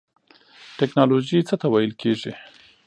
ټیکنالوژی څه ته ویل کیږی؟